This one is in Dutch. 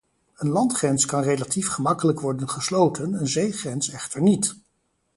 Een landgrens kan relatief gemakkelijk worden gesloten, een zeegrens echter niet.